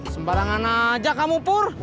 sembarangan aja kamu pur